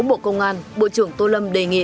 bộ công an bộ trưởng tô lâm đề nghị